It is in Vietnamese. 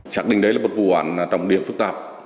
xác định đấy là một vụ án trọng điểm phức tạp